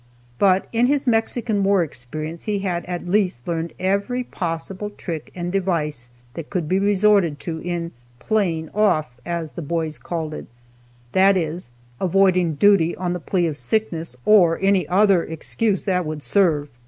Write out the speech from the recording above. But in his Mexican War experience he had at least learned every possible trick and device that could be resorted to in "playing off," as the boys called it; that is, avoiding duty on the plea of sickness or any other excuse that would serve.